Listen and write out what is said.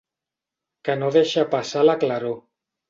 Que no deixa passar la claror.